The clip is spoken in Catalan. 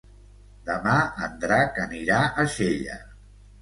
Demà en Drac anirà a Xella.